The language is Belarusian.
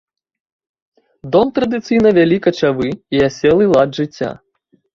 Дом традыцыйна вялі качавы і аселы лад жыцця.